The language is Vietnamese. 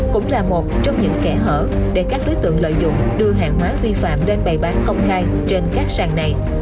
cũng là một trong những kẻ hở để các đối tượng lợi dụng đưa hàng hóa vi phạm lên bày bán công khai trên các sàn này